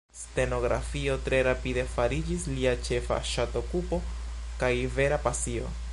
Stenografio tre rapide fariĝis lia ĉefa ŝatokupo kaj vera pasio.